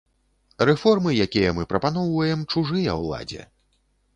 Рэформы, якія мы прапаноўваем, чужыя ўладзе.